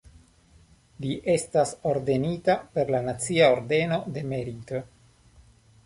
Li estas ordenita per la Nacia ordeno de Merito.